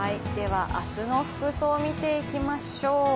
明日の服装を見ていきましょう。